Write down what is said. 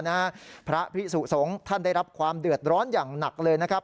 นะฮะพระพิสุสงฆ์ท่านได้รับความเดือดร้อนอย่างหนักเลยนะครับ